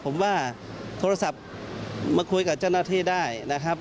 ผมว่าโทรศัพท์มาคุยกับเจ้าหน้าที่ได้นะครับ